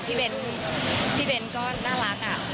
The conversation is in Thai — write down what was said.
แชร์กันพี่เบ้นก็น่ารักอ่ะ